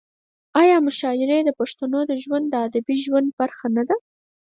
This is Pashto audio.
آیا مشاعرې د پښتنو د ادبي ژوند برخه نه ده؟